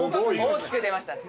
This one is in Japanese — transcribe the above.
大きく出ましたね。